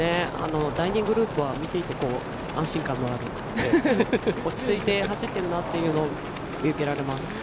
第２グループは見ていて安心感のある落ち着いて走っているなというのが見受けられます。